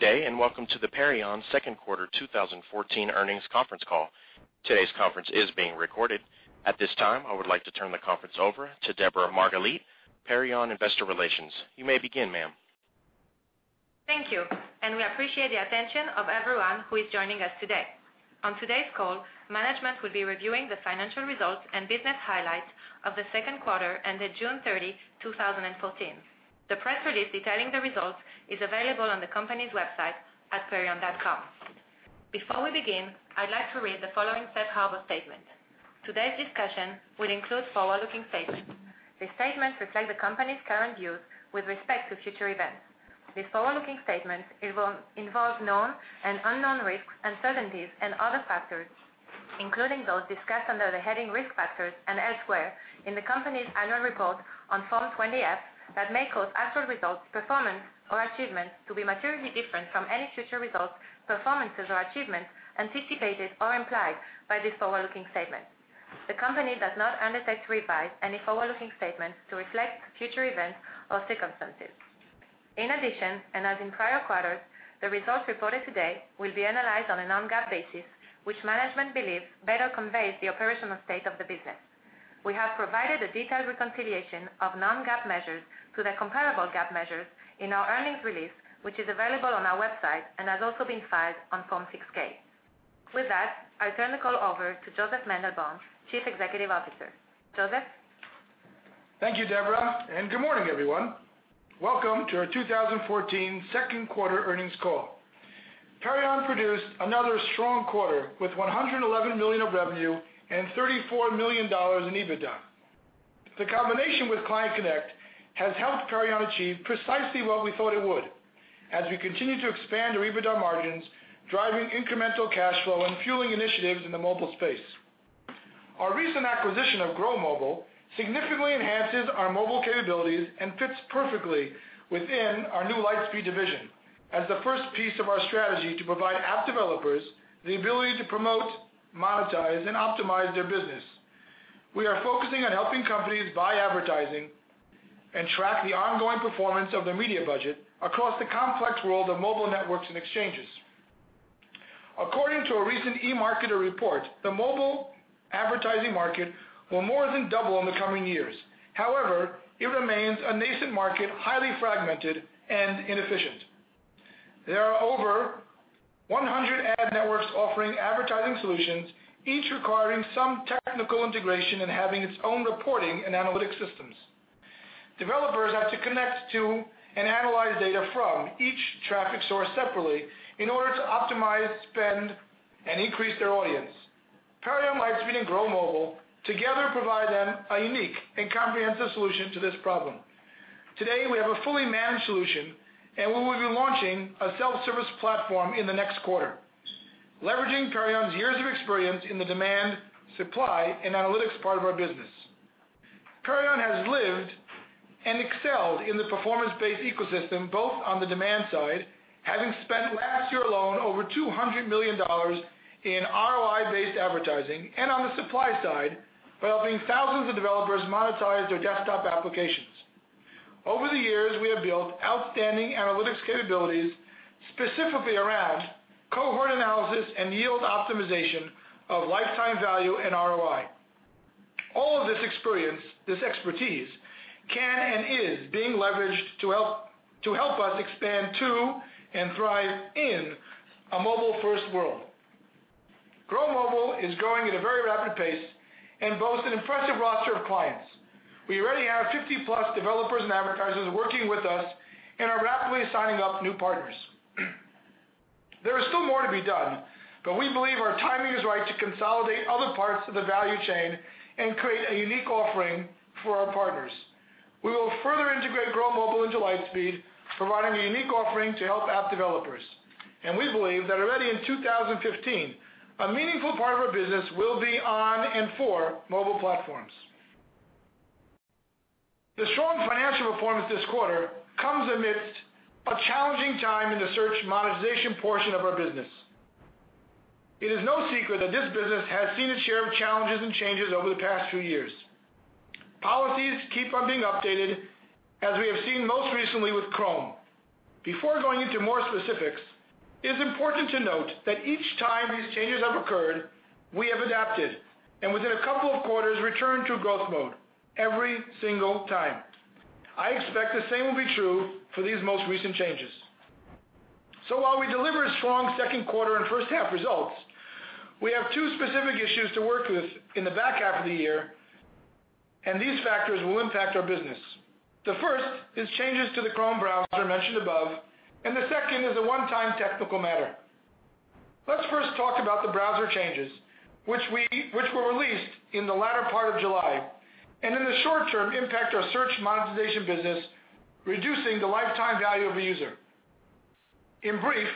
Good day. Welcome to the Perion second quarter 2014 earnings conference call. Today's conference is being recorded. At this time, I would like to turn the conference over to Deborah Margalit, Perion Investor Relations. You may begin, ma'am. Thank you. We appreciate the attention of everyone who is joining us today. On today's call, management will be reviewing the financial results and business highlights of the second quarter ended June 30, 2014. The press release detailing the results is available on the company's website at perion.com. Before we begin, I'd like to read the following safe harbor statement. Today's discussion will include forward-looking statements. These statements reflect the company's current views with respect to future events. These forward-looking statements involve known and unknown risks, uncertainties, and other factors, including those discussed under the heading Risk Factors and elsewhere in the company's annual report on Form 20-F that may cause actual results, performance, or achievements to be materially different from any future results, performances, or achievements anticipated or implied by these forward-looking statements. The company does not undertake to revise any forward-looking statements to reflect future events or circumstances. In addition, as in prior quarters, the results reported today will be analyzed on a non-GAAP basis, which management believes better conveys the operational state of the business. We have provided a detailed reconciliation of non-GAAP measures to the comparable GAAP measures in our earnings release, which is available on our website and has also been filed on Form 6-K. With that, I turn the call over to Josef Mandelbaum, Chief Executive Officer. Josef? Thank you, Deborah. Good morning, everyone. Welcome to our 2014 second quarter earnings call. Perion produced another strong quarter with $111 million of revenue and $34 million in EBITDA. The combination with ClientConnect has helped Perion achieve precisely what we thought it would, as we continue to expand our EBITDA margins, driving incremental cash flow and fueling initiatives in the mobile space. Our recent acquisition of Grow Mobile significantly enhances our mobile capabilities and fits perfectly within our new Lightspeed division as the first piece of our strategy to provide app developers the ability to promote, monetize, and optimize their business. We are focusing on helping companies by advertising and track the ongoing performance of their media budget across the complex world of mobile networks and exchanges. According to a recent eMarketer report, the mobile advertising market will more than double in the coming years. However, it remains a nascent market, highly fragmented and inefficient. There are over 100 ad networks offering advertising solutions, each requiring some technical integration and having its own reporting and analytics systems. Developers have to connect to and analyze data from each traffic source separately in order to optimize, spend, and increase their audience. Perion Lightspeed and Grow Mobile together provide them a unique and comprehensive solution to this problem. Today, we have a fully managed solution, and we will be launching a self-service platform in the next quarter, leveraging Perion's years of experience in the demand, supply, and analytics part of our business. Perion has lived and excelled in the performance-based ecosystem, both on the demand side, having spent last year alone over $200 million in ROI-based advertising, and on the supply side by helping thousands of developers monetize their desktop applications. Over the years, we have built outstanding analytics capabilities, specifically around cohort analysis and yield optimization of lifetime value and ROI. All of this experience, this expertise, can and is being leveraged to help us expand to and thrive in a mobile-first world. Grow Mobile is growing at a very rapid pace and boasts an impressive roster of clients. We already have 50-plus developers and advertisers working with us and are rapidly signing up new partners. There is still more to be done, but we believe our timing is right to consolidate other parts of the value chain and create a unique offering for our partners. We will further integrate Grow Mobile into Lightspeed, providing a unique offering to help app developers. We believe that already in 2015, a meaningful part of our business will be on and for mobile platforms. The strong financial performance this quarter comes amidst a challenging time in the Search Monetization portion of our business. It is no secret that this business has seen its share of challenges and changes over the past few years. Policies keep on being updated, as we have seen most recently with Chrome. Before going into more specifics, it is important to note that each time these changes have occurred, we have adapted and within a couple of quarters, returned to growth mode every single time. I expect the same will be true for these most recent changes. While we deliver strong second quarter and first-half results, we have two specific issues to work with in the back half of the year, and these factors will impact our business. The first is changes to the Chrome browser mentioned above, and the second is a one-time technical matter. Let's first talk about the browser changes, which were released in the latter part of July, and in the short term impact our Search Monetization business, reducing the lifetime value of a user. In brief,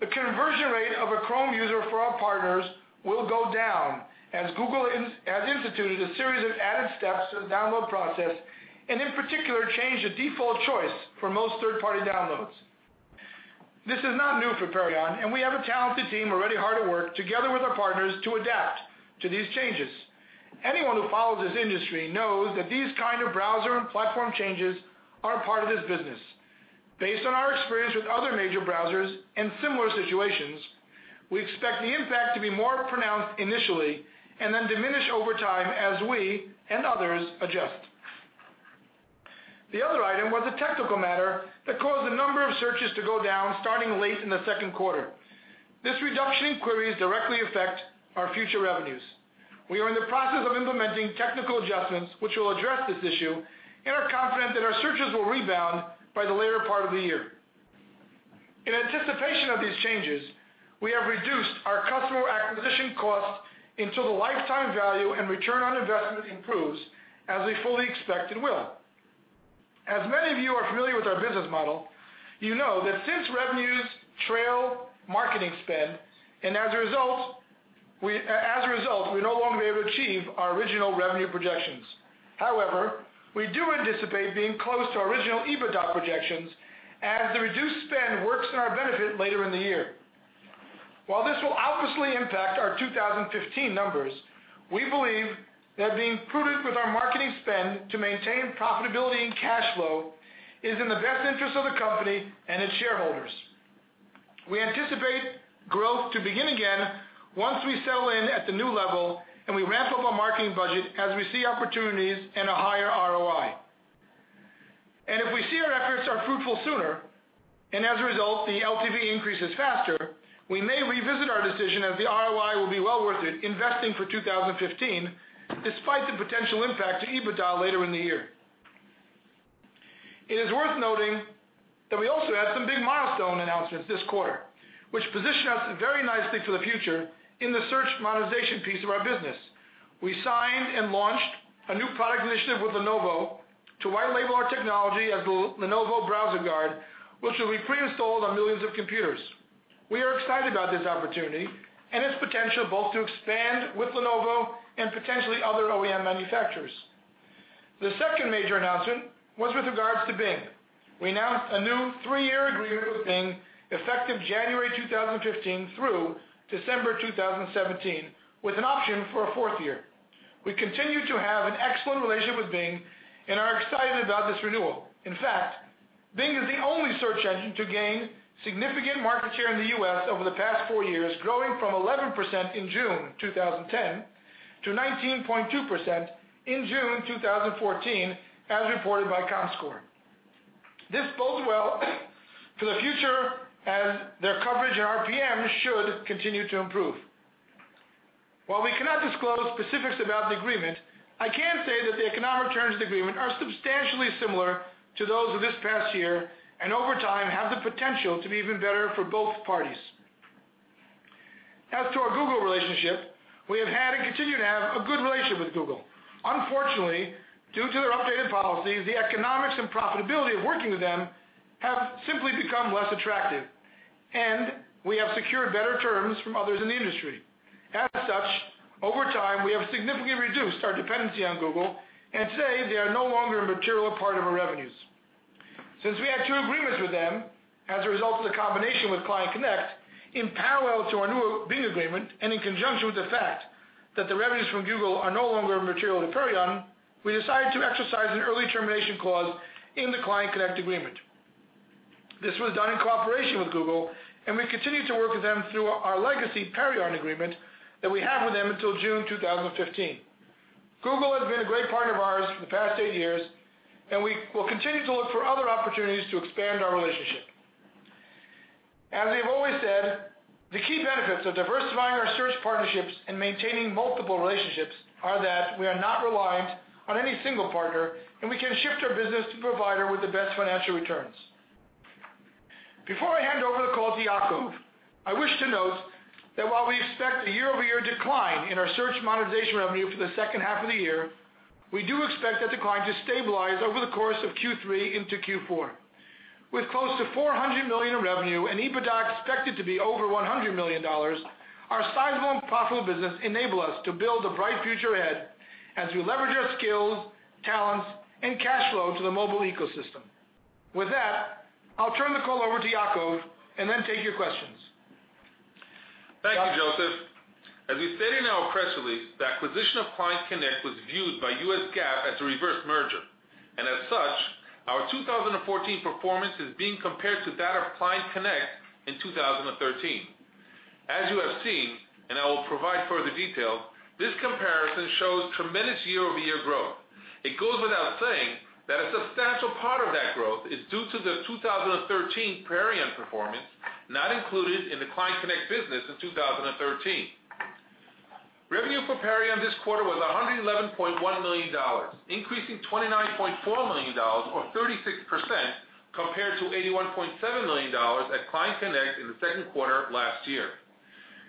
the conversion rate of a Chrome user for our partners will go down as Google has instituted a series of added steps to the download process, and in particular, changed the default choice for most third-party downloads. This is not new for Perion, and we have a talented team already hard at work together with our partners to adapt to these changes. Anyone who follows this industry knows that these kind of browser and platform changes are a part of this business. Based on our experience with other major browsers and similar situations, we expect the impact to be more pronounced initially, and then diminish over time as we and others adjust. The other item was a technical matter that caused a number of searches to go down starting late in the second quarter. This reduction in queries directly affect our future revenues. We are in the process of implementing technical adjustments which will address this issue, and are confident that our searches will rebound by the later part of the year. In anticipation of these changes, we have reduced our customer acquisition costs until the lifetime value and return on investment improves, as we fully expect it will. As many of you are familiar with our business model, you know that since revenues trail marketing spend, and as a result, we no longer be able to achieve our original revenue projections. However, we do anticipate being close to our original EBITDA projections as the reduced spend works in our benefit later in the year. While this will obviously impact our 2015 numbers, we believe that being prudent with our marketing spend to maintain profitability and cash flow is in the best interest of the company and its shareholders. We anticipate growth to begin again once we settle in at the new level and we ramp up our marketing budget as we see opportunities and a higher ROI. If we see our efforts are fruitful sooner, and as a result, the LTV increases faster, we may revisit our decision as the ROI will be well worth it investing for 2015, despite the potential impact to EBITDA later in the year. It is worth noting that we also had some big milestone announcements this quarter, which position us very nicely for the future in the Search Monetization piece of our business. We signed and launched a new product initiative with Lenovo to white label our technology as the Lenovo Browser Guard, which will be pre-installed on millions of computers. We are excited about this opportunity and its potential both to expand with Lenovo and potentially other OEM manufacturers. The second major announcement was with regards to Bing. We announced a new 3-year agreement with Bing effective January 2015 through December 2017, with an option for a fourth year. We continue to have an excellent relationship with Bing and are excited about this renewal. In fact, Bing is the only search engine to gain significant market share in the U.S. over the past four years, growing from 11% in June 2010 to 19.2% in June 2014, as reported by Comscore. This bodes well for the future as their coverage and RPM should continue to improve. While we cannot disclose specifics about the agreement, I can say that the economic terms of the agreement are substantially similar to those of this past year, over time have the potential to be even better for both parties. As to our Google relationship, we have had and continue to have a good relationship with Google. Unfortunately, due to their updated policies, the economics and profitability of working with them have simply become less attractive. We have secured better terms from others in the industry. As such, over time, we have significantly reduced our dependency on Google. Today they are no longer a material part of our revenues. Since we had two agreements with them as a result of the combination with ClientConnect in parallel to our new Bing agreement, and in conjunction with the fact that the revenues from Google are no longer material to Perion, we decided to exercise an early termination clause in the ClientConnect agreement. This was done in cooperation with Google, and we continue to work with them through our legacy Perion agreement that we have with them until June 2015. Google has been a great partner of ours for the past 8 years, and we will continue to look for other opportunities to expand our relationship. As we have always said, the key benefits of diversifying our search partnerships and maintaining multiple relationships are that we are not reliant on any single partner, and we can shift our business to provider with the best financial returns. Before I hand over the call to Yacov, I wish to note that while we expect a year-over-year decline in our Search Monetization revenue for the second half of the year, we do expect that decline to stabilize over the course of Q3 into Q4. With close to $400 million in revenue and EBITDA expected to be over $100 million, our sizable and profitable business enable us to build a bright future ahead as we leverage our skills, talents, and cash flow to the mobile ecosystem. With that, I'll turn the call over to Yacov and then take your questions. Thank you, Josef. As we stated in our press release, the acquisition of ClientConnect was viewed by US GAAP as a reverse merger, and as such, our 2014 performance is being compared to that of ClientConnect in 2013. As you have seen, and I will provide further detail, this comparison shows tremendous year-over-year growth. It goes without saying that a substantial part of that growth is due to the 2013 Perion performance, not included in the ClientConnect business in 2013. Revenue for Perion this quarter was $111.1 million, increasing $29.4 million, or 36%, compared to $81.7 million at ClientConnect in the second quarter of last year.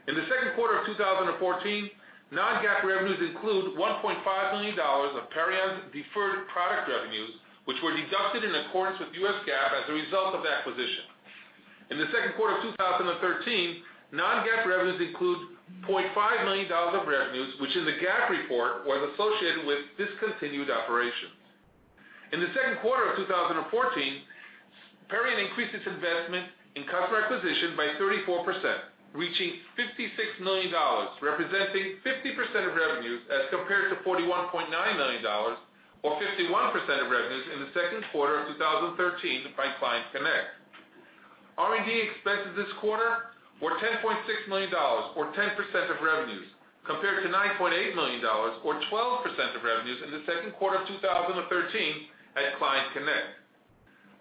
In the second quarter of 2014, non-GAAP revenues include $1.5 million of Perion's deferred product revenues, which were deducted in accordance with US GAAP as a result of the acquisition. In the second quarter of 2013, non-GAAP revenues include $0.5 million of revenues, which in the GAAP report was associated with discontinued operation. In the second quarter of 2014, Perion increased its investment in customer acquisition by 34%, reaching $56 million, representing 50% of revenues as compared to $41.9 million or 51% of revenues in the second quarter of 2013 by ClientConnect. R&D expenses this quarter were $10.6 million or 10% of revenues, compared to $9.8 million or 12% of revenues in the second quarter of 2013 at ClientConnect.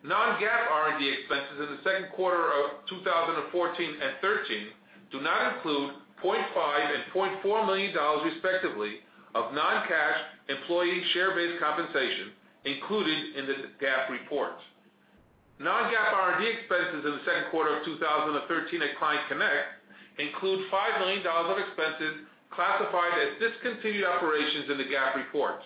Non-GAAP R&D expenses in the second quarter of 2014 and 2013 do not include $0.5 million and $0.4 million respectively of non-cash employee share-based compensation included in the GAAP report. Non-GAAP R&D expenses in the second quarter of 2013 at ClientConnect include $5 million of expenses classified as discontinued operations in the GAAP report.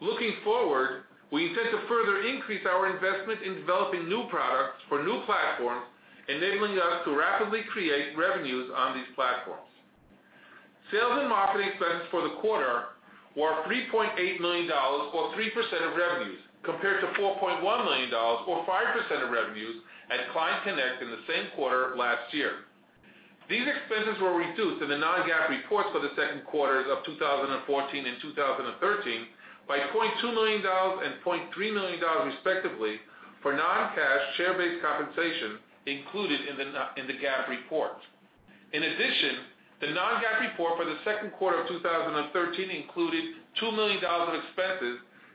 Looking forward, we intend to further increase our investment in developing new products for new platforms, enabling us to rapidly create revenues on these platforms. Sales and marketing expenses for the quarter were $3.8 million or 3% of revenues,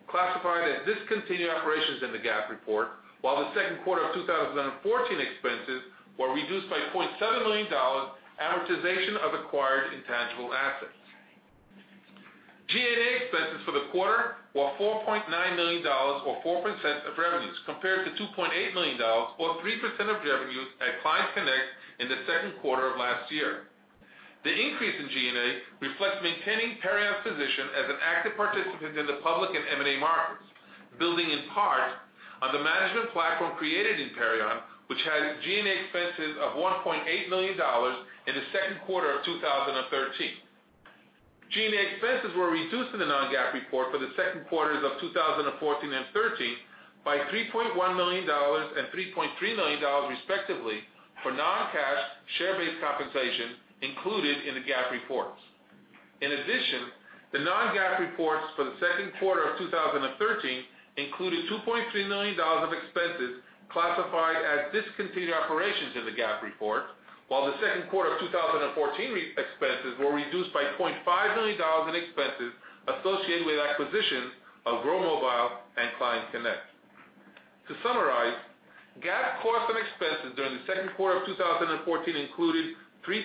classified as discontinued operations in the GAAP report, while the second quarter of 2014 expenses were reduced by million in expenses associated with acquisitions of Grow Mobile and ClientConnect. To summarize, GAAP costs and expenses during the second quarter of 2014 included $3.9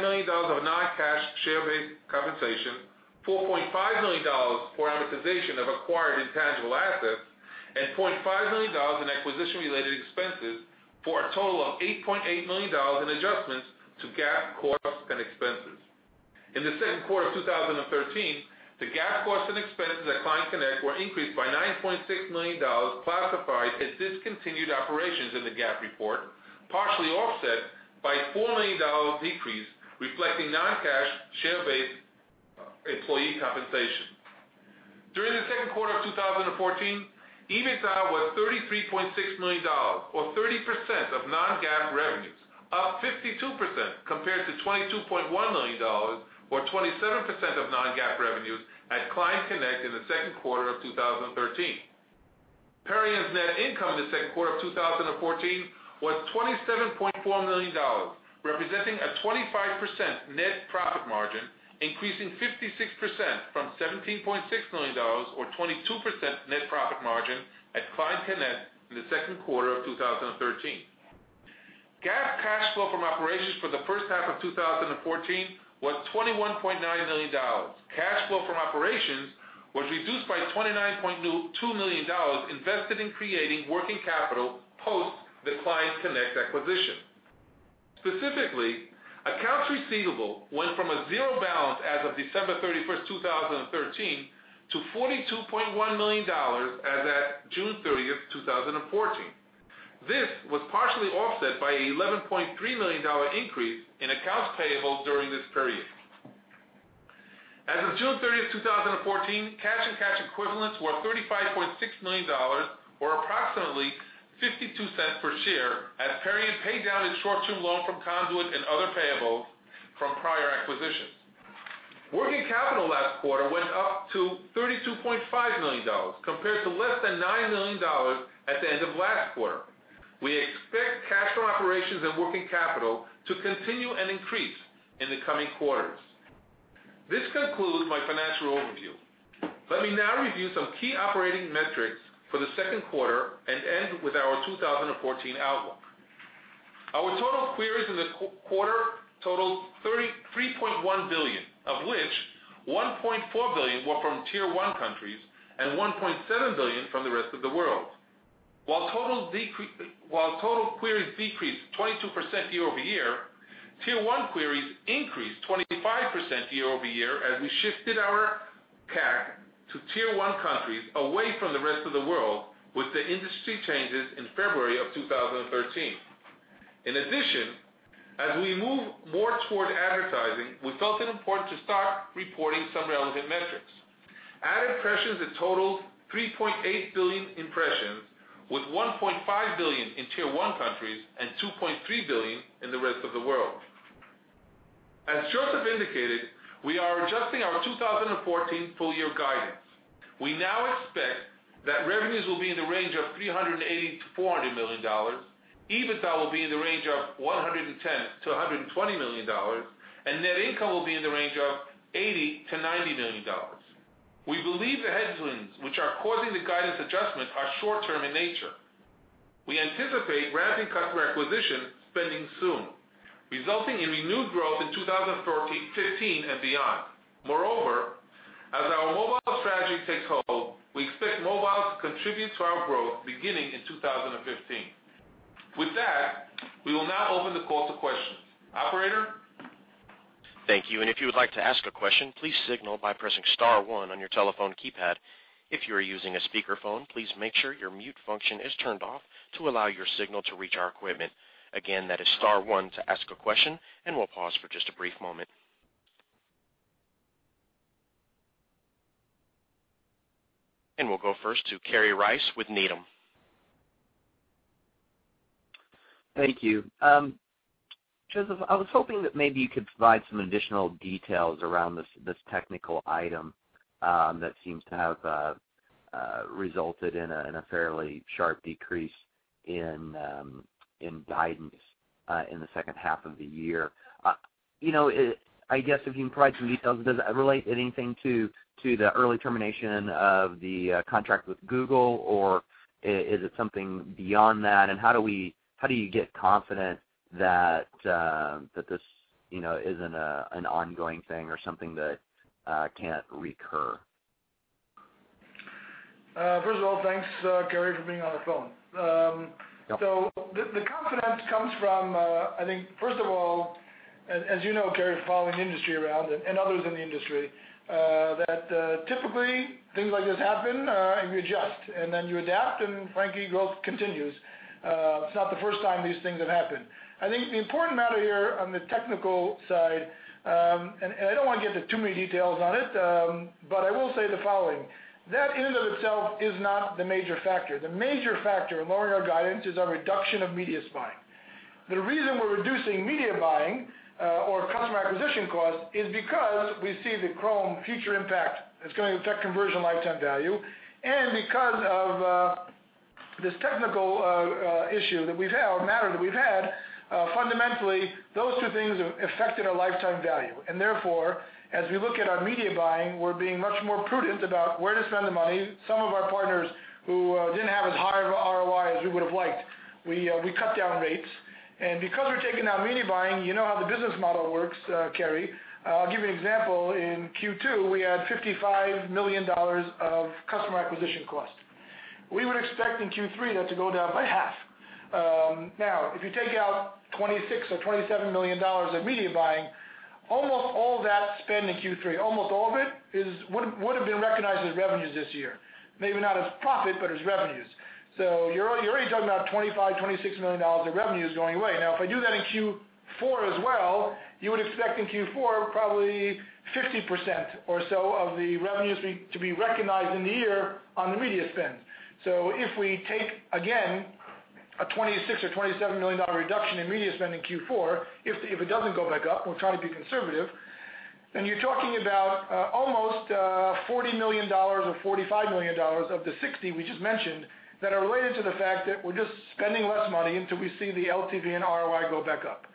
million of non-cash share-based compensation, $4.5 million for amortization of acquired intangible assets, and $0.5 million in acquisition-related expenses for a total of $8.8 million in adjustments to GAAP costs and expenses. In the second quarter of 2013, the GAAP costs and expenses at ClientConnect were increased by $9.6 million classified as discontinued operations in the GAAP report, partially offset by a $4 million decrease reflecting non-cash share-based employee compensation. During the second quarter of 2014, EBITDA was $33.6 million or 30% of non-GAAP revenues, up 52% compared to $22.1 million or 27% of non-GAAP revenues at ClientConnect in the second quarter of 2013. Perion's net income in the second quarter of 2014 was $27.4 million, representing a 25% net profit margin, increasing 56% from $17.6 million or 22% net profit margin at ClientConnect in the second quarter of 2013. GAAP cash flow from operations for the first half of 2014 was $21.9 million. Cash flow from operations was reduced by $29.2 million invested in creating working capital post the ClientConnect acquisition. Specifically, accounts receivable went from a zero balance as of December 31st, 2013, to $42.1 million as at June 30th, 2014. This was partially offset by an $11.3 million increase in accounts payable during this period. As of June 30th, 2014, cash and cash equivalents were $35.6 million or approximately $0.52 per share as Perion paid down its short-term loan from Conduit and other payables from prior acquisitions. Working capital last quarter went up to $32.5 million compared to less than $9 million at the end of last quarter. We expect cash from operations and working capital to continue and increase in the coming quarters. This concludes my financial overview. Let me now review some key operating metrics for the second quarter and end with our 2014 outlook. Our total queries in the quarter totaled 3.1 billion, of which 1.4 billion were from Tier 1 countries and 1.7 billion from the rest of the world. While total queries decreased 22% year-over-year, Tier 1 queries increased 25% year-over-year as we shifted our CAC to Tier 1 countries away from the rest of the world with the industry changes in February of 2013. As we move more toward advertising, we felt it important to start reporting some relevant metrics. Ad impressions had totaled 3.8 billion impressions, with 1.5 billion in Tier 1 countries and 2.3 billion in the rest of the world. As Josef indicated, we are adjusting our 2014 full-year guidance. We now expect that revenues will be in the range of $380 million-$400 million, EBITDA will be in the range of $110 million-$120 million, and net income will be in the range of $80 million-$90 million. We believe the headwinds which are causing the guidance adjustment are short-term in nature. We anticipate ramping customer acquisition spending soon, resulting in renewed growth in 2015 and beyond. As our mobile strategy takes hold, we expect mobile to contribute to our growth beginning in 2015. We will now open the call to questions. Operator? Thank you. If you would like to ask a question, please signal by pressing star one on your telephone keypad. If you are using a speakerphone, please make sure your mute function is turned off to allow your signal to reach our equipment. That is star one to ask a question, and we'll pause for just a brief moment. We'll go first to Kerry Rice with Needham. Thank you. Josef, I was hoping that maybe you could provide some additional details around this technical item that seems to have resulted in a fairly sharp decrease in guidance in the second half of the year. I guess if you can provide some details, does it relate anything to the early termination of the contract with Google, or is it something beyond that? How do you get confident that this isn't an ongoing thing or something that can't recur? First of all, thanks, Kerry, for being on the phone. Yep. The confidence comes from, I think, first of all, as you know, Kerry, following the industry around and others in the industry, that typically things like this happen, you adjust, then you adapt, and frankly, growth continues. It's not the first time these things have happened. I think the important matter here on the technical side, and I don't want to get into too many details on it, but I will say the following. That in and of itself is not the major factor. The major factor in lowering our guidance is our reduction of media buying. The reason we're reducing media buying or customer acquisition costs is because we see the Chrome future impact that's going to affect conversion lifetime value. Because of this technical issue that we've had, or matter that we've had, fundamentally, those two things have affected our lifetime value. Therefore, as we look at our media buying, we're being much more prudent about where to spend the money. Some of our partners who didn't have as high of ROI as we would have liked, we cut down rates. Because we're taking out media buying, you know how the business model works, Kerry. I'll give you an example. In Q2, we had $55 million of customer acquisition costs. We would expect in Q3 that to go down by half. If you take out $26 or $27 million of media buying, almost all that spend in Q3, almost all of it would have been recognized as revenues this year. Maybe not as profit, but as revenues. You're already talking about $25, $26 million of revenues going away. If I do that in Q4 as well, you would expect in Q4 probably 50% or so of the revenues to be recognized in the year on the media spend. If we take, again, a $26 or $27 million reduction in media spend in Q4, if it doesn't go back up, we're trying to be conservative, then you're talking about almost $40 million or $45 million of the $60 million we just mentioned that are related to the fact that we're just spending less money until we see the LTV and ROI go back up.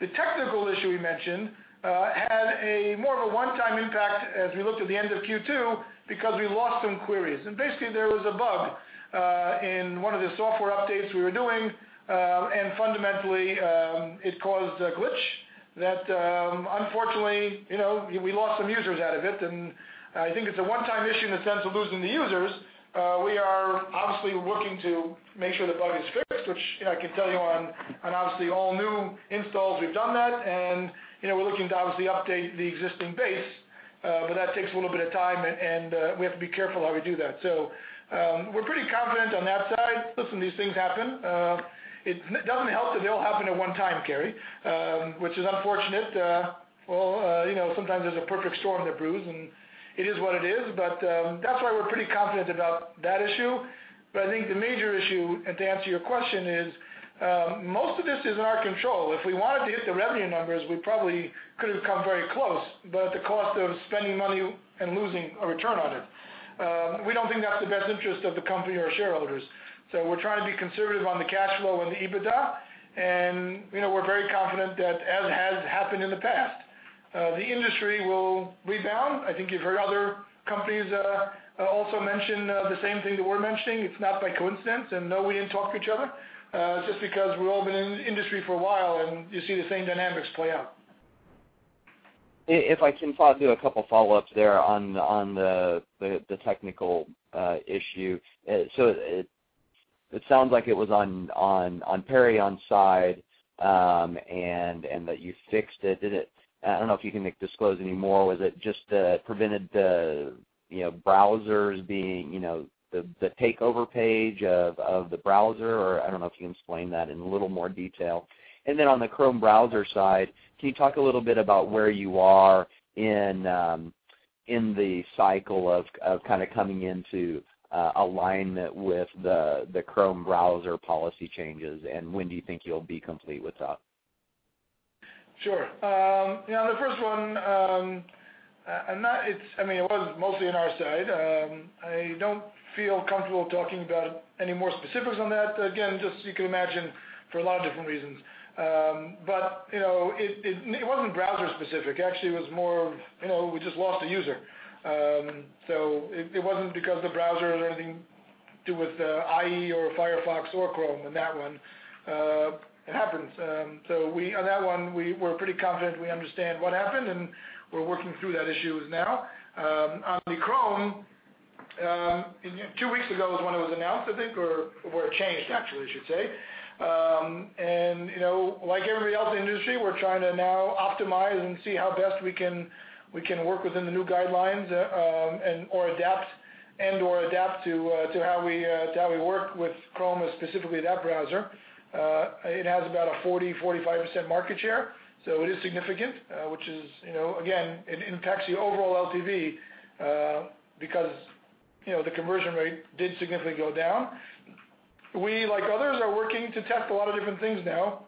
The technical issue we mentioned had a more of a one-time impact as we looked at the end of Q2 because we lost some queries. Basically there was a bug in one of the software updates we were doing, fundamentally it caused a glitch that unfortunately, we lost some users out of it. I think it's a one-time issue in the sense of losing the users. We are obviously working to make sure the bug is fixed, which I can tell you on obviously all new installs, we've done that. We're looking to obviously update the existing base, but that takes a little bit of time, and we have to be careful how we do that. We're pretty confident on that side. Listen, these things happen. It doesn't help that they all happen at one time, Kerry, which is unfortunate. Sometimes there's a perfect storm that brews, and it is what it is. That's why we're pretty confident about that issue. I think the major issue, and to answer your question, is most of this is in our control. If we wanted to hit the revenue numbers, we probably could have come very close, but at the cost of spending money and losing a return on it. We don't think that's the best interest of the company or shareholders. We're trying to be conservative on the cash flow and the EBITDA, we're very confident that as has happened in the past the industry will rebound. I think you've heard other companies also mention the same thing that we're mentioning. It's not by coincidence, no, we didn't talk to each other. It's just because we've all been in the industry for a while, you see the same dynamics play out. If I can do a couple follow-ups there on the technical issue. It sounds like it was on Perion's side that you fixed it. I don't know if you can disclose any more. Was it just prevented the takeover page of the browser, or I don't know if you can explain that in a little more detail. Then on the Chrome browser side, can you talk a little bit about where you are in the cycle of coming into alignment with the Chrome browser policy changes, and when do you think you'll be complete with that? Sure. The first one, it was mostly on our side. I don't feel comfortable talking about any more specifics on that. Again, just you can imagine, for a lot of different reasons. It wasn't browser specific. Actually, it was more, we just lost a user. It wasn't because the browser or anything to do with IE or Firefox or Chrome on that one. It happens. On that one, we're pretty confident we understand what happened, and we're working through those issues now. On the Chrome, two weeks ago was when it was announced, I think, or changed, actually, I should say. Like everybody else in the industry, we're trying to now optimize and see how best we can work within the new guidelines and/or adapt to how we work with Chrome, specifically that browser. It has about a 40%, 45% market share, it is significant. Which is, again, it impacts the overall LTV because the conversion rate did significantly go down. We, like others, are working to test a lot of different things now.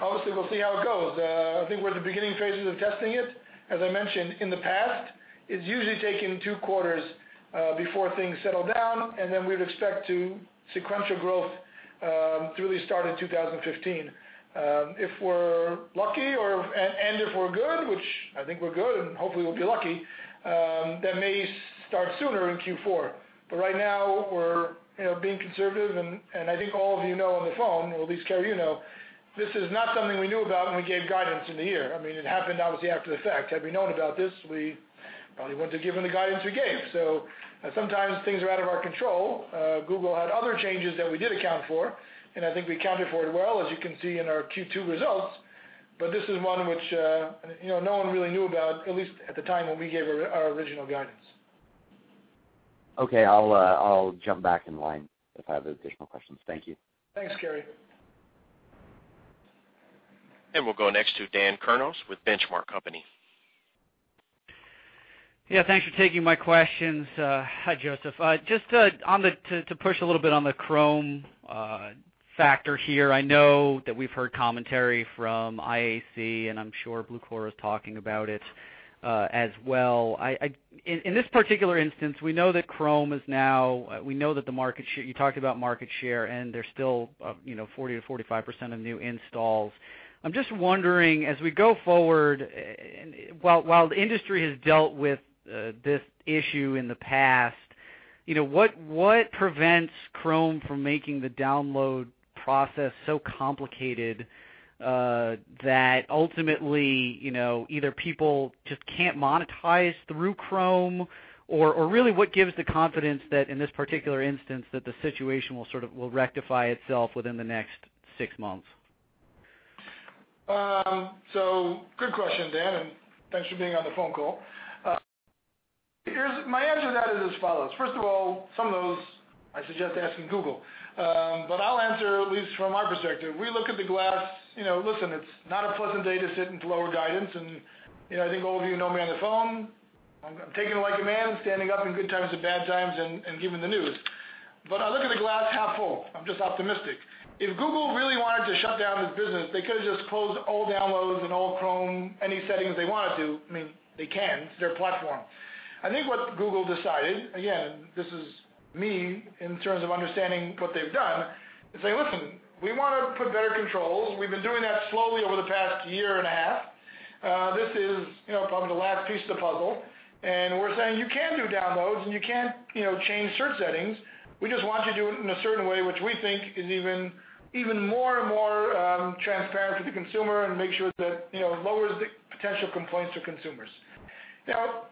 Obviously, we'll see how it goes. I think we're at the beginning phases of testing it. As I mentioned, in the past, it's usually taken two quarters before things settle down, we'd expect sequential growth through the start of 2015. If we're lucky and if we're good, which I think we're good, hopefully, we'll be lucky, that may start sooner in Q4. Right now, we're being conservative, and I think all of you know on the phone, or at least, Kerry, you know, this is not something we knew about when we gave guidance in the year. It happened, obviously, after the fact. Had we known about this, we probably wouldn't have given the guidance we gave. Sometimes things are out of our control. Google had other changes that we did account for, and I think we accounted for it well, as you can see in our Q2 results. This is one which no one really knew about, at least at the time when we gave our original guidance. Okay. I'll jump back in line if I have additional questions. Thank you. Thanks, Kerry. We'll go next to Dan Kurnos with The Benchmark Company. Yeah, thanks for taking my questions. Hi, Josef. Just to push a little bit on the Chrome factor here. I know that we've heard commentary from IAC, and I'm sure Blucora is talking about it as well. In this particular instance, we know that Chrome is now-- You talked about market share, and they're still 40%-45% of new installs. I'm just wondering, as we go forward, while the industry has dealt with this issue in the past, what prevents Chrome from making the download process so complicated that ultimately, either people just can't monetize through Chrome? Or really, what gives the confidence that in this particular instance, that the situation will rectify itself within the next six months? Good question, Dan, and thanks for being on the phone call. My answer to that is as follows. First of all, some of those I suggest asking Google. I'll answer at least from our perspective. We look at the glass-- Listen, it's not a pleasant day to sit and lower guidance. I think all of you know me on the phone. I'm taking it like a man, standing up in good times and bad times and giving the news. I look at the glass half full. I'm just optimistic. If Google really wanted to shut down this business, they could have just closed all downloads and all Chrome, any settings they wanted to. They can. It's their platform. I think what Google decided, again, this is me in terms of understanding what they've done, is say, "Listen, we want to put better controls. We've been doing that slowly over the past year and a half. This is probably the last piece of the puzzle. We're saying you can do downloads, and you can change search settings. We just want you to do it in a certain way, which we think is even more and more transparent to the consumer and make sure that it lowers the potential complaints to consumers." Now,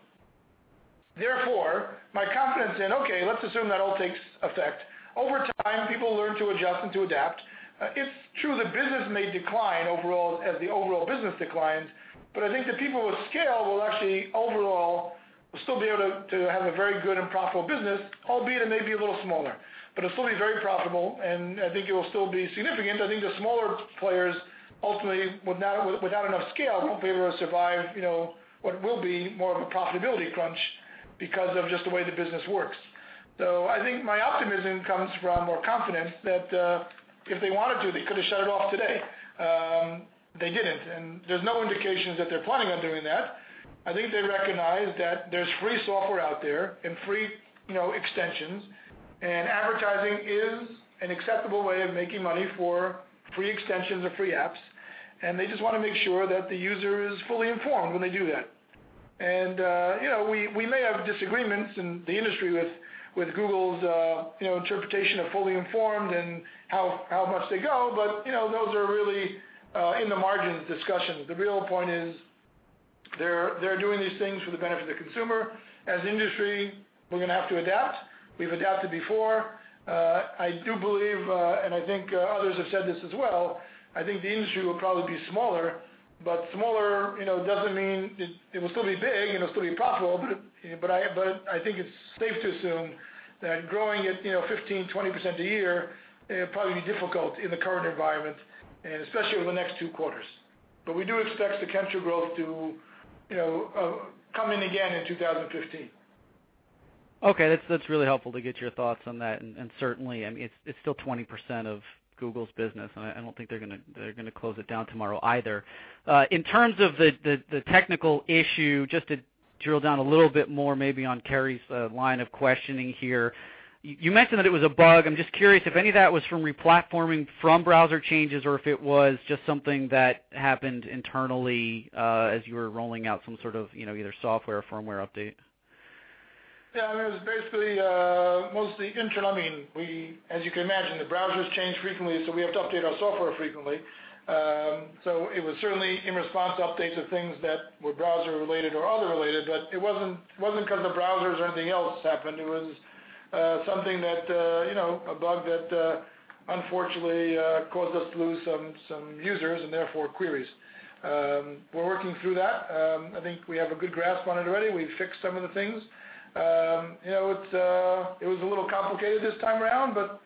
therefore, my confidence in, okay, let's assume that all takes effect. Over time, people learn to adjust and to adapt. It's true the business may decline overall as the overall business declines, but I think the people with scale will actually overall still be able to have a very good and profitable business, albeit it may be a little smaller. It'll still be very profitable, and I think it will still be significant. I think the smaller players ultimately, without enough scale, won't be able to survive what will be more of a profitability crunch because of just the way the business works. I think my optimism comes from more confidence that if they wanted to, they could have shut it off today. They didn't, and there's no indications that they're planning on doing that. I think they recognize that there's free software out there and free extensions, and advertising is an acceptable way of making money for free extensions or free apps, and they just want to make sure that the user is fully informed when they do that. We may have disagreements in the industry with Google's interpretation of fully informed and how much they go, but those are really in the margins discussions. The real point is They're doing these things for the benefit of the consumer. As an industry, we're going to have to adapt. We've adapted before. I do believe, and I think others have said this as well, I think the industry will probably be smaller, but smaller doesn't mean It will still be big, and it'll still be profitable. I think it's safe to assume that growing at 15%, 20% a year, it'll probably be difficult in the current environment, and especially over the next 2 quarters. We do expect sequential growth to come in again in 2015. Okay. That's really helpful to get your thoughts on that. Certainly, it's still 20% of Google's business, and I don't think they're going to close it down tomorrow either. In terms of the technical issue, just to drill down a little bit more, maybe on Kerry's line of questioning here. You mentioned that it was a bug. I'm just curious if any of that was from re-platforming from browser changes, or if it was just something that happened internally, as you were rolling out some sort of either software or firmware update. Yeah, it was basically, mostly internal. As you can imagine, the browsers change frequently, we have to update our software frequently. It was certainly in response to updates of things that were browser-related or other related, but it wasn't because of browsers or anything else happened. It was something that, a bug that unfortunately caused us to lose some users and therefore queries. We're working through that. I think we have a good grasp on it already. We've fixed some of the things. It was a little complicated this time around, but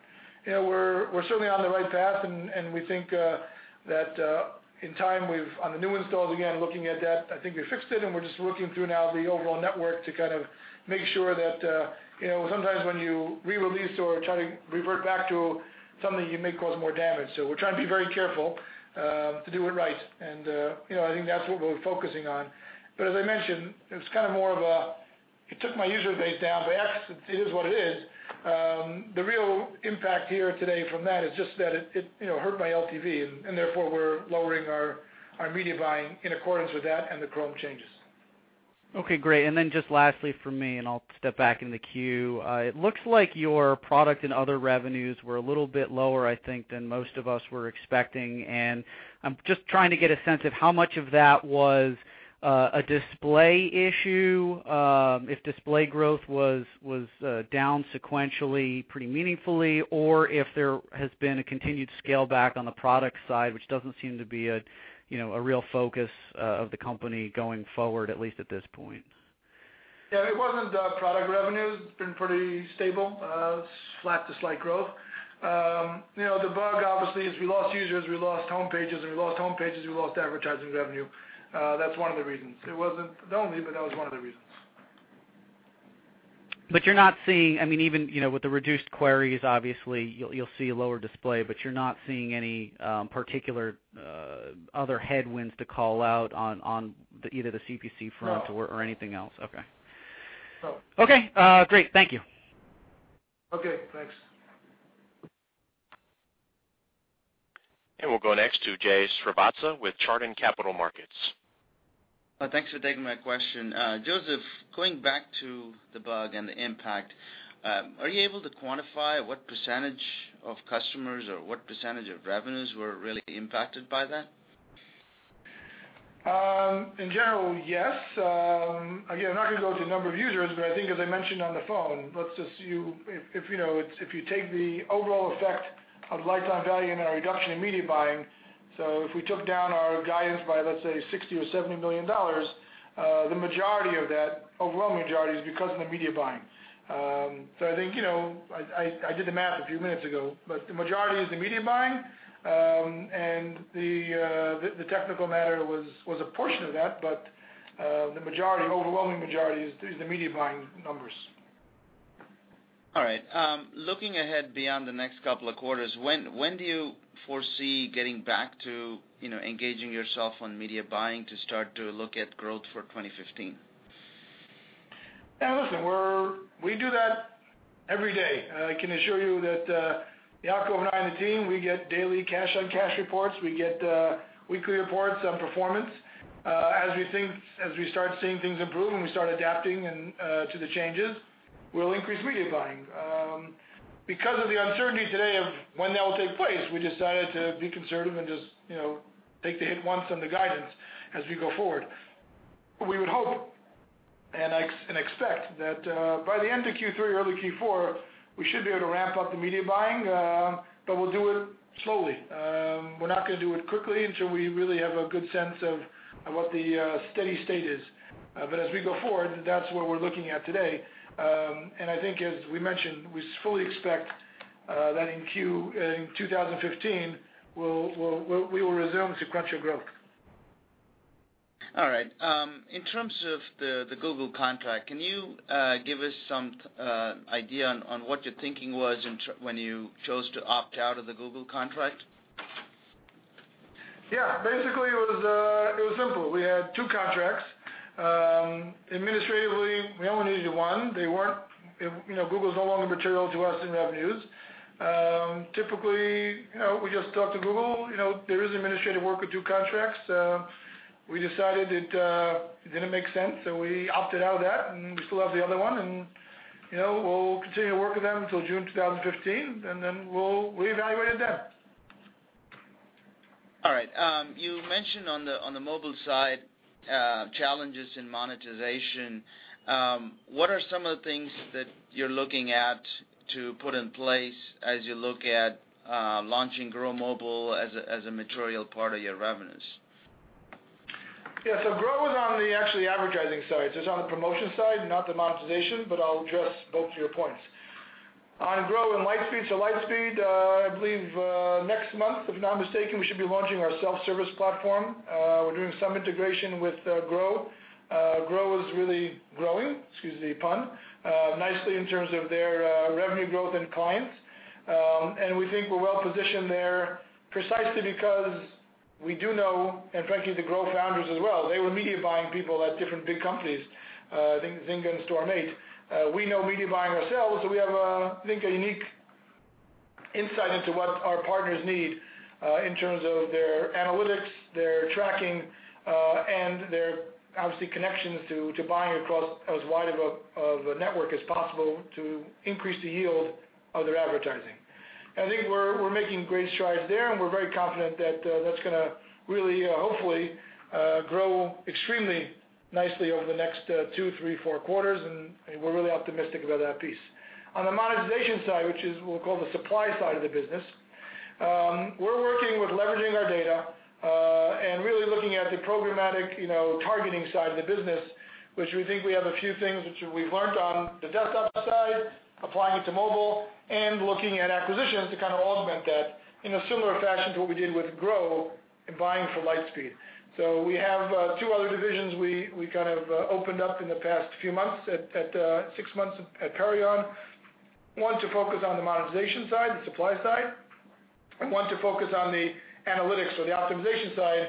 we're certainly on the right path, and we think that in time, on the new installs, again, looking at that, I think we fixed it, and we're just looking through now the overall network to kind of make sure that Sometimes when you re-release or try to revert back to something, you may cause more damage. We're trying to be very careful, to do it right. I think that's what we're focusing on. As I mentioned, it was kind of more of a, it took my user base down, but it is what it is. The real impact here today from that is just that it hurt my LTV, and therefore, we're lowering our media buying in accordance with that and the Chrome changes. Okay, great. Just lastly from me, and I'll step back in the queue. It looks like your product and other revenues were a little bit lower, I think, than most of us were expecting. I'm just trying to get a sense of how much of that was a display issue, if display growth was down sequentially pretty meaningfully, or if there has been a continued scale back on the product side, which doesn't seem to be a real focus of the company going forward, at least at this point. Yeah, it wasn't the product revenue. It's been pretty stable, flat to slight growth. The bug, obviously, as we lost users, we lost homepages. As we lost homepages, we lost advertising revenue. That's one of the reasons. It wasn't the only, but that was one of the reasons. You're not seeing, even with the reduced queries, obviously, you'll see lower display, but you're not seeing any particular other headwinds to call out on either the CPC front- No Anything else? Okay. No. Okay. Great. Thank you. Okay. Thanks. We'll go next to Jay Srivatsa with Chardan Capital Markets. Thanks for taking my question. Josef, going back to the bug and the impact, are you able to quantify what % of customers or what % of revenues were really impacted by that? In general, yes. I'm not going to go into number of users, but I think as I mentioned on the phone, if you take the overall effect of lifetime value and our reduction in media buying, if we took down our guidance by, let's say, $60 million or $70 million, the majority of that, overwhelming majority, is because of the media buying. I did the math a few minutes ago, the majority is the media buying. The technical matter was a portion of that, the overwhelming majority is the media buying numbers. All right. Looking ahead beyond the next couple of quarters, when do you foresee getting back to engaging yourself on media buying to start to look at growth for 2015? Listen, we do that every day. I can assure you that Yacov and I and the team, we get daily cash on cash reports. We get weekly reports on performance. As we start seeing things improve and we start adapting to the changes, we'll increase media buying. Because of the uncertainty today of when that will take place, we decided to be conservative and just take the hit once on the guidance as we go forward. We would hope and expect that by the end of Q3 or early Q4, we should be able to ramp up the media buying. We'll do it slowly. We're not going to do it quickly until we really have a good sense of what the steady state is. As we go forward, that's what we're looking at today. I think as we mentioned, we fully expect that in 2015, we will resume sequential growth. All right. In terms of the Google contract, can you give us some idea on what your thinking was when you chose to opt out of the Google contract? Yeah. Basically, it was simple. We had two contracts. Administratively, we only needed one. Google's no longer material to us in revenues. Typically, we just talked to Google. There is administrative work with two contracts. We decided it didn't make sense, so we opted out of that, and we still have the other one, and we'll continue to work with them until June 2015, and then we'll reevaluate it then. All right. You mentioned on the mobile side, challenges in monetization. What are some of the things that you're looking at to put in place as you look at launching Grow Mobile as a material part of your revenues? Yeah. Grow is on the actually advertising side. It's on the promotion side, not the monetization, but I'll address both your points. On Grow and Lightspeed, so Lightspeed, I believe, next month, if I'm not mistaken, we should be launching our self-service platform. We're doing some integration with Grow. Grow is really growing, excuse the pun, nicely in terms of their revenue growth and clients. We think we're well-positioned there precisely because we do know, and frankly, the Grow founders as well, they were media buying people at different big companies, I think Xing and Storm8. We know media buying ourselves, so we have, I think, a unique insight into what our partners need in terms of their analytics, their tracking, and their, obviously, connections to buying across as wide of a network as possible to increase the yield of their advertising. I think we're making great strides there, and we're very confident that's going to really, hopefully, grow extremely nicely over the next two, three, four quarters, and we're really optimistic about that piece. On the monetization side, which is we'll call the supply side of the business, we're working with leveraging our data, and really looking at the programmatic targeting side of the business, which we think we have a few things which we've learned on the desktop side, applying it to mobile, and looking at acquisitions to kind of augment that in a similar fashion to what we did with Grow and buying for Lightspeed. We have two other divisions we kind of opened up in the past few months, at six months at Perion. One to focus on the monetization side, the supply side, and one to focus on the analytics or the optimization side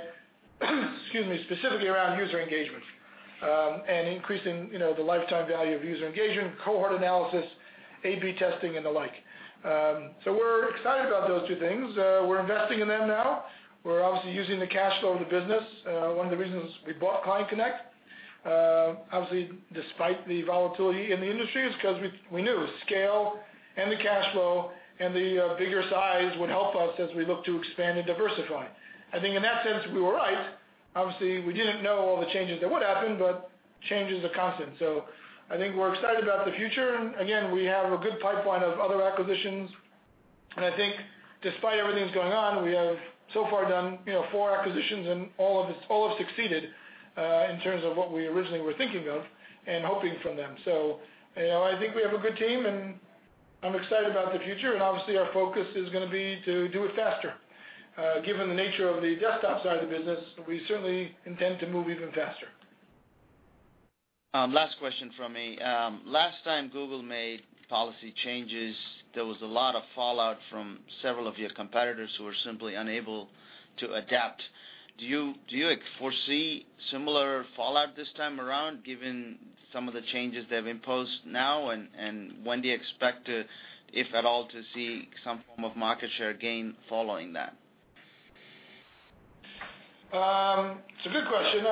excuse me, specifically around user engagement, and increasing the lifetime value of user engagement, cohort analysis, A/B testing, and the like. We're excited about those two things. We're investing in them now. We're obviously using the cash flow of the business. One of the reasons we bought ClientConnect, obviously, despite the volatility in the industry, is because we knew scale and the cash flow and the bigger size would help us as we look to expand and diversify. I think in that sense, we were right. Obviously, we didn't know all the changes that would happen, but changes are constant. I think we're excited about the future. Again, we have a good pipeline of other acquisitions. I think despite everything that's going on, we have so far done four acquisitions, and all have succeeded, in terms of what we originally were thinking of and hoping from them. I think we have a good team, and I'm excited about the future. Obviously, our focus is going to be to do it faster. Given the nature of the desktop side of the business, we certainly intend to move even faster. Last question from me. Last time Google made policy changes, there was a lot of fallout from several of your competitors who were simply unable to adapt. Do you foresee similar fallout this time around, given some of the changes they've imposed now? When do you expect to, if at all, to see some form of market share gain following that? It's a good question.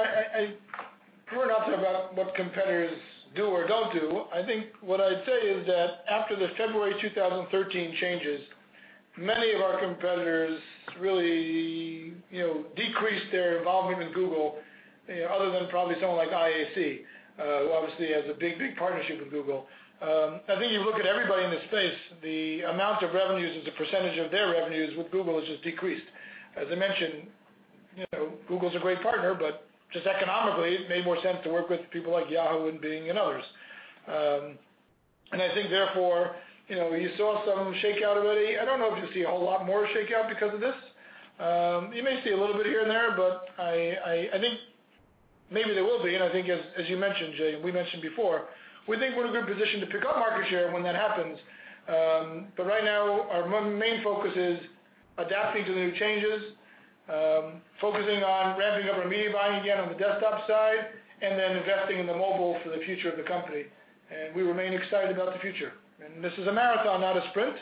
We're not talking about what competitors do or don't do. I think what I'd say is that after the February 2013 changes, many of our competitors really decreased their involvement with Google, other than probably someone like IAC, who obviously has a big, big partnership with Google. I think you look at everybody in the space, the amount of revenues as a percentage of their revenues with Google has just decreased. As I mentioned, Google's a great partner, but just economically, it made more sense to work with people like Yahoo and Bing and others. I think therefore, you saw some shakeout already. I don't know if you'll see a whole lot more shakeout because of this. You may see a little bit here and there, but I think maybe there will be. I think as you mentioned, Jay, we mentioned before, we think we're in a good position to pick up market share when that happens. Right now, our main focus is adapting to the new changes, focusing on ramping up our media buying again on the desktop side, then investing in the mobile for the future of the company. We remain excited about the future. This is a marathon, not a sprint.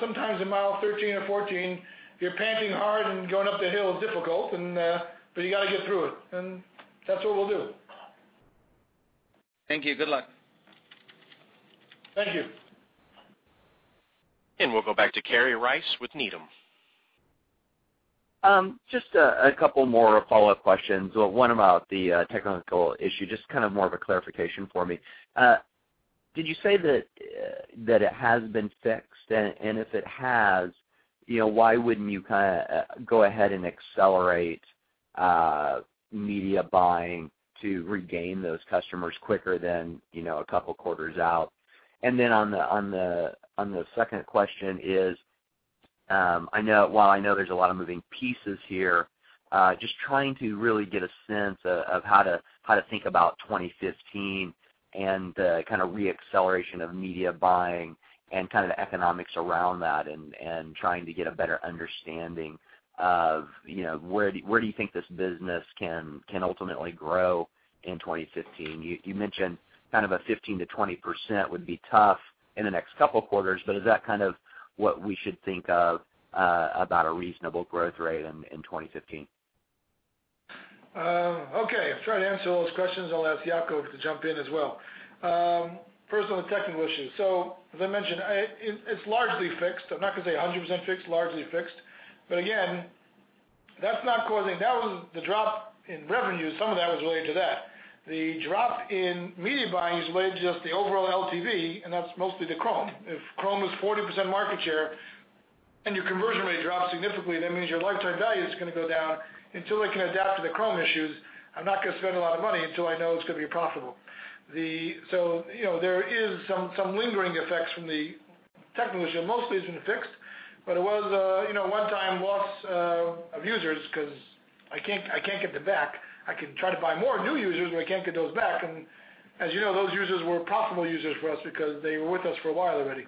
Sometimes in mile 13 or 14, you're panting hard and going up the hill is difficult, but you got to get through it. That's what we'll do. Thank you. Good luck. Thank you. We'll go back to Kerry Rice with Needham. Just a couple more follow-up questions. One about the technical issue, just kind of more of a clarification for me. Did you say that it has been fixed? If it has, why wouldn't you go ahead and accelerate media buying to regain those customers quicker than a couple of quarters out? On the second question is, while I know there's a lot of moving pieces here, just trying to really get a sense of how to think about 2015 and kind of re-acceleration of media buying and kind of the economics around that and trying to get a better understanding of where do you think this business can ultimately grow in 2015? You mentioned kind of a 15%-20% would be tough in the next couple of quarters, but is that kind of what we should think of about a reasonable growth rate in 2015? Okay. I'll try to answer all those questions, and I'll ask Yacov to jump in as well. First, on the technical issues. As I mentioned, it's largely fixed. I'm not going to say 100% fixed, largely fixed. But again, the drop in revenue, some of that was related to that. The drop in media buying is related to just the overall LTV, and that's mostly the Chrome. If Chrome is 40% market share and your conversion rate drops significantly, that means your lifetime value is going to go down. Until they can adapt to the Chrome issues, I'm not going to spend a lot of money until I know it's going to be profitable. There is some lingering effects from the technical issue. Mostly it's been fixed, but it was a one-time loss of users because I can't get them back. I can try to buy more new users, but I can't get those back. As you know, those users were profitable users for us because they were with us for a while already.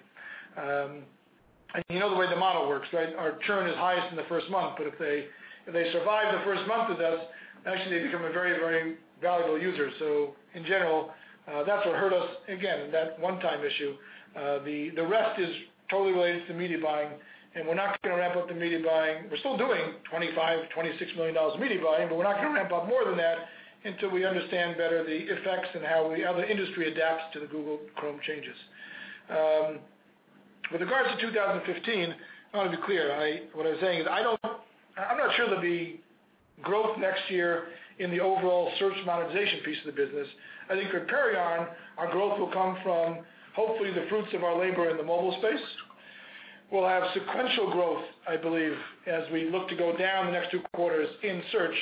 You know the way the model works, right? Our churn is highest in the first month, but if they survive the first month with us, actually, they become a very, very valuable user. In general, that's what hurt us, again, that one-time issue. The rest is totally related to media buying, and we're not going to ramp up the media buying. We're still doing $25, $26 million media buying, but we're not going to ramp up more than that until we understand better the effects and how the industry adapts to the Google Chrome changes. With regards to 2015, I want to be clear. What I'm saying is, I'm not sure there'll be growth next year in the overall Search Monetization piece of the business. I think at Perion, our growth will come from, hopefully, the fruits of our labor in the mobile space. We'll have sequential growth, I believe, as we look to go down the next two quarters in search.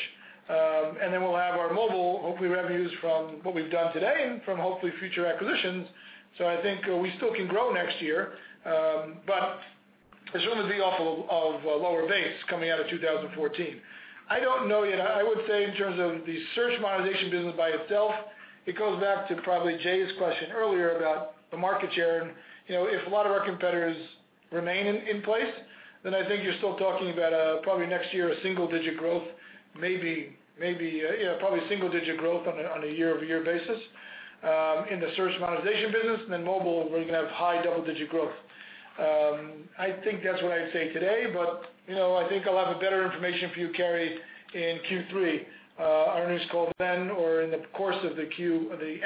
Then we'll have our mobile, hopefully, revenues from what we've done today and from hopefully future acquisitions. I think we still can grow next year. It's going to be off of lower base coming out of 2014. I don't know yet. I would say in terms of the Search Monetization business by itself, it goes back to probably Jay's question earlier about the market share. If a lot of our competitors remain in place, then I think you're still talking about probably next year, a single-digit growth, maybe. Probably single-digit growth on a year-over-year basis in the Search Monetization business. Then mobile, where you can have high double-digit growth. I think that's what I'd say today, but I think I'll have better information for you, Kerry, in Q3, our earnings call then or in the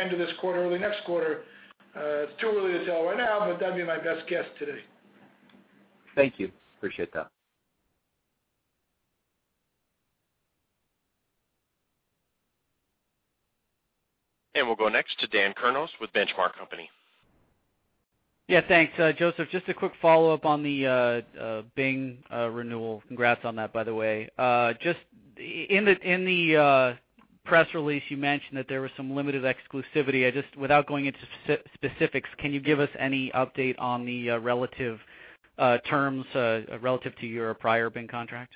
end of this quarter, early next quarter. It's too early to tell right now, but that'd be my best guess today. Thank you. Appreciate that. We'll go next to Dan Kurnos with The Benchmark Company. Yeah, thanks. Josef, just a quick follow-up on the Bing renewal. Congrats on that, by the way. Just in the press release, you mentioned that there was some limited exclusivity. Just without going into specifics, can you give us any update on the relative terms relative to your prior Bing contract?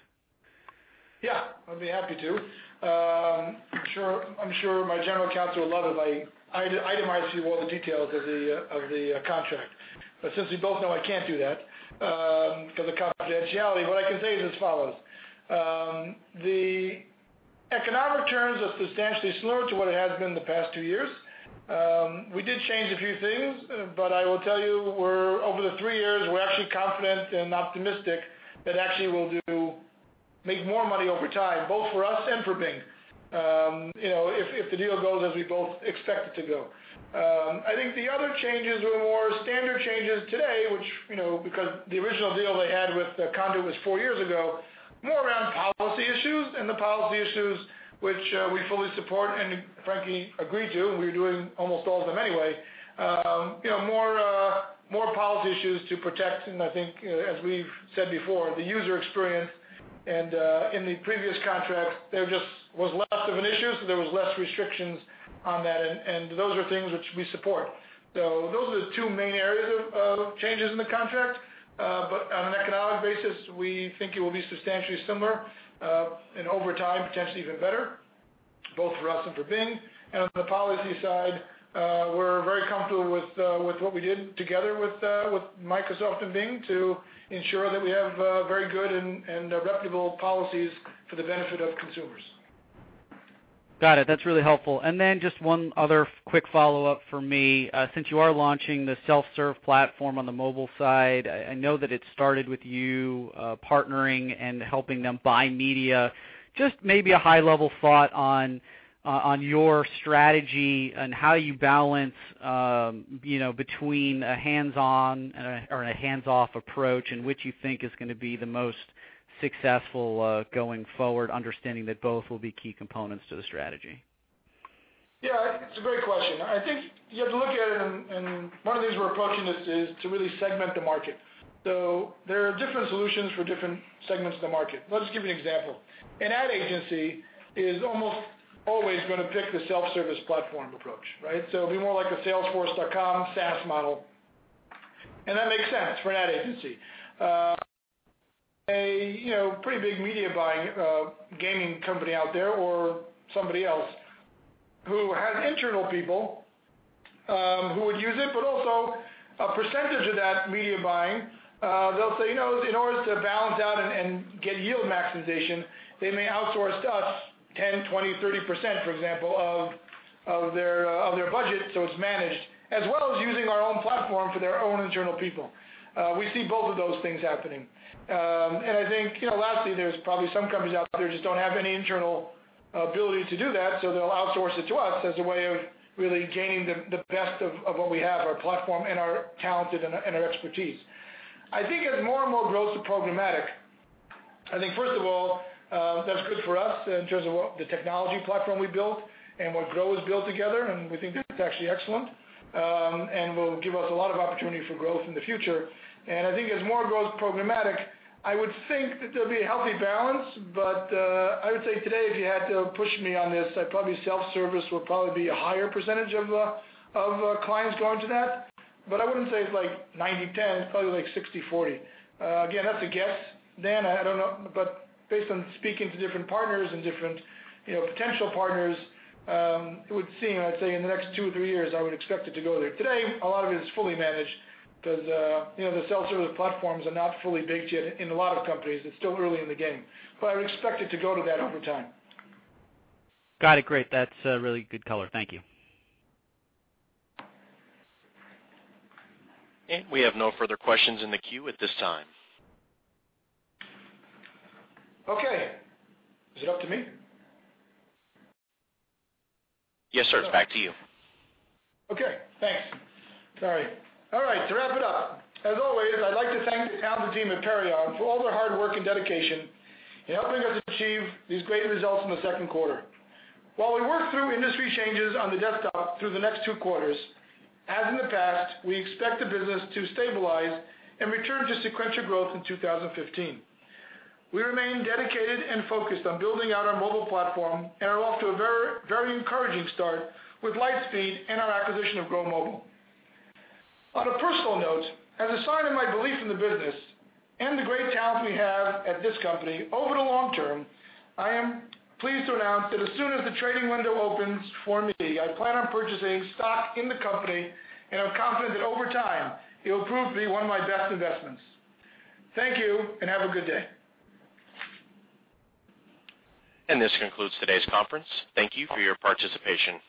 Yeah, I'd be happy to. I'm sure my general counsel would love if I itemized to you all the details of the contract. Since we both know I can't do that because of confidentiality, what I can say is as follows. The economic terms are substantially similar to what it has been the past two years. We did change a few things. I will tell you, over the three years, we're actually confident and optimistic that actually we'll make more money over time, both for us and for Bing, if the deal goes as we both expect it to go. I think the other changes were more standard changes today, which because the original deal they had with Conduit was four years ago, more around policy issues. The policy issues, which we fully support and frankly agreed to, and we were doing almost all of them anyway. More policy issues to protect, I think as we've said before, the user experience. In the previous contract, there just was less of an issue, so there was less restrictions on that, and those are things which we support. Those are the two main areas of changes in the contract. On an economic basis, we think it will be substantially similar, and over time, potentially even better, both for us and for Bing. On the policy side, we're very comfortable with what we did together with Microsoft and Bing to ensure that we have very good and reputable policies for the benefit of consumers. Got it. That's really helpful. Just one other quick follow-up from me. Since you are launching the self-serve platform on the mobile side, I know that it started with you partnering and helping them buy media. Just maybe a high-level thought on your strategy and how you balance between a hands-on or a hands-off approach and which you think is going to be the most successful going forward, understanding that both will be key components to the strategy. Yeah, it's a great question. I think you have to look at it, one of the ways we're approaching this is to really segment the market. There are different solutions for different segments of the market. Let's give you an example. An ad agency is almost always going to pick the self-service platform approach, right? It'll be more like a salesforce.com SaaS model. That makes sense for an ad agency. A pretty big media buying gaming company out there, or somebody else who has internal people who would use it, but also a percentage of that media buying, they'll say, in order to balance out and get yield maximization, they may outsource to us 10%, 20%, 30%, for example, of their budget, so it's managed, as well as using our own platform for their own internal people. We see both of those things happening. I think lastly, there's probably some companies out there just don't have any internal ability to do that, so they'll outsource it to us as a way of really gaining the best of what we have, our platform and our talented and our expertise. I think as more and more grows programmatic, I think first of all, that's good for us in terms of what the technology platform we built and what Grow has built together, we think that's actually excellent and will give us a lot of opportunity for growth in the future. I think as more grows programmatic, I would think that there'll be a healthy balance. I would say today, if you had to push me on this, probably self-service will probably be a higher percentage of clients going to that. I wouldn't say it's 90/10, it's probably 60/40. Again, that's a guess, Dan, I don't know. Based on speaking to different partners and different potential partners, it would seem, I'd say in the next two or three years, I would expect it to go there. Today, a lot of it is fully managed because the self-service platforms are not fully baked yet in a lot of companies. It's still early in the game, I would expect it to go to that over time. Got it. Great. That's really good color. Thank you. We have no further questions in the queue at this time. Okay. Is it up to me? Yes, sir. It's back to you. Okay, thanks. Sorry. All right. To wrap it up, as always, I'd like to thank the talented team at Perion for all their hard work and dedication in helping us achieve these great results in the second quarter. While we work through industry changes on the desktop through the next two quarters, as in the past, we expect the business to stabilize and return to sequential growth in 2015. We remain dedicated and focused on building out our mobile platform and are off to a very encouraging start with Lightspeed and our acquisition of Grow Mobile. On a personal note, as a sign of my belief in the business and the great talent we have at this company over the long term, I am pleased to announce that as soon as the trading window opens for me, I plan on purchasing stock in the company, and I'm confident that over time it will prove to be one of my best investments. Thank you and have a good day. This concludes today's conference. Thank you for your participation.